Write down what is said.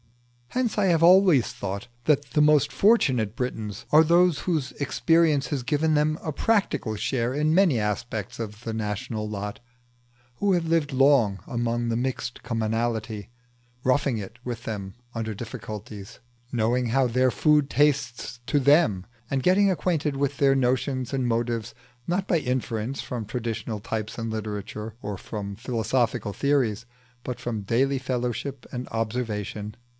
Hence I have always thought that the most fortunate Britons are those whose experience has given them a practical share in many aspects of the national lot, who have lived long among the mixed commonalty, roughing it with them under difficulties, knowing how their food tastes to them, and getting acquainted with their notions and motives not by inference from traditional types in literature or from philosophical theories, but from daily fellowship and observation.